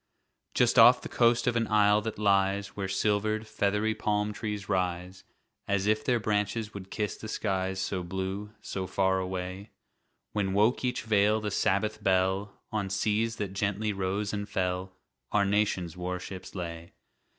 Just off the coast of an isle that lies Where silver'd, feathery palm trees rise As if their branches would kiss the skies So blue, so far away; When woke each vale the Sabbath bell, On seas that gently rose and fell, Our nation's warships lay.